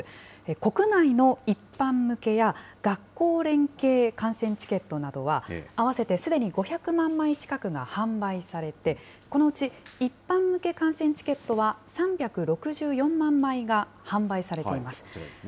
国内の一般向けや、学校連携観戦チケットなどは、合わせてすでに５００万枚近くが販売されて、このうち一般向け観戦チケットは、３６４万枚が販売されています。